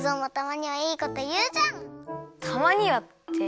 たまにはって。